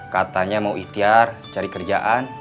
katanya mau ikhtiar cari kerjaan